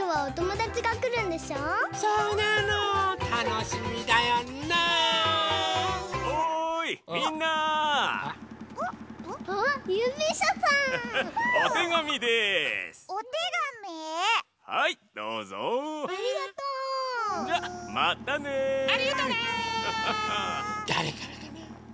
だれからかな？